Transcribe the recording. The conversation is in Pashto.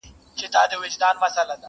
میاشتي کلونه زمانه به ستا وي؛